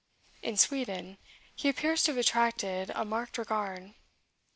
In Sweden, he appears to have attracted a marked regard.